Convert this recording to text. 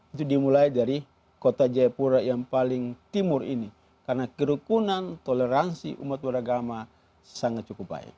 itu dimulai dari kota jayapura yang paling timur ini karena kerukunan toleransi umat beragama sangat cukup baik